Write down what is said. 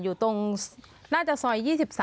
อยู่ตรงน่าจะซอย๒๓